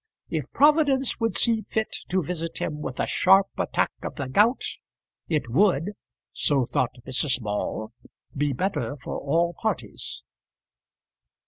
If Providence would see fit to visit him with a sharp attack of the gout, it would so thought Mrs. Ball be better for all parties.